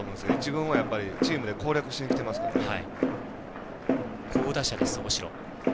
１軍はチームで攻略しにきてますからね。